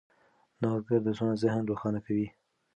نوښتګر درسونه ذهن روښانه کوي.